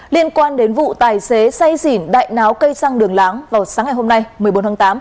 liên quan đến vụ tài xế say xỉn đại náo cây xăng đường láng vào sáng ngày hôm nay một mươi bốn tháng tám